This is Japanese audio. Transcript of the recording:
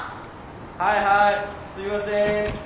はいはいすいません。